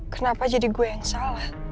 kenapa jadi gue yang salah